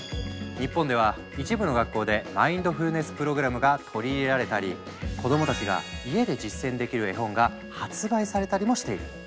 日本では一部の学校でマインドフルネス・プログラムが取り入れられたり子どもたちが家で実践できる絵本が発売されたりもしている。